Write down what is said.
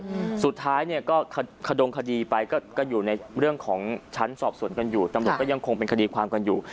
อืมสุดท้ายเนี้ยก็ขดงคดีไปก็ก็อยู่ในเรื่องของชั้นสอบสวนกันอยู่ตำรวจก็ยังคงเป็นคดีความกันอยู่